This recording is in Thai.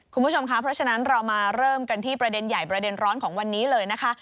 คุณผู้ชมค่ะเพราะฉะนั้นเรามาเริ่มกันที่ประเด็นใหญ่ประเด็นร้อนของวันนี้เลยนะคะ